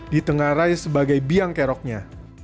ditengarai sebagai biang keroknya